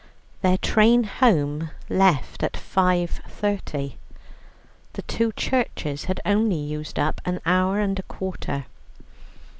Their train home left at 5.30. The two churches had only used up an hour and a quarter.